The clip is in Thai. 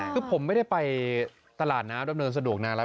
คือผมไม่ได้ไปตลาดน้ำดำเนินสะดวกนานแล้ว